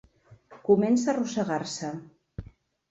Comença a arrossegar-se.